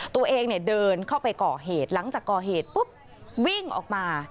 ตัวเองเนี่ยเดินเข้าไปก่อเหตุหลังจากก่อเหตุปุ๊บวิ่งออกมา